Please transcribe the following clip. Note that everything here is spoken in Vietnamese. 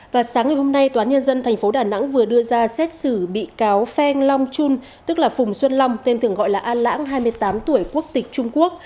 và sáng ngày hôm nay toán nhân dân tp đà nẵng vừa đưa ra xét xử bị cáo pheng long chun tức là phùng xuân long tên thường gọi là an lãng hai mươi tám tuổi quốc tịch trung quốc